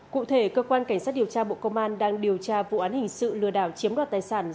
cụ thể cơ quan cảnh sát điều tra bộ công an đang điều tra vụ án hình sự lừa đảo chiếm đoạt tài sản